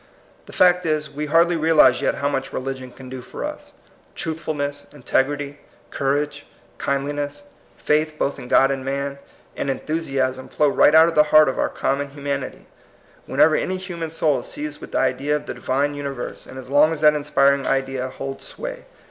The fact is, we hardlj realize yet how much religion can do for us. Truthful ness, integrity, courage, kindliness, faith both in God and man, and enthusiasm flow right out of the heart of our com mon humanity, whenever any human soul is seized with the idea of the Divine uni verse, and as long as that inspiring idea holds sway.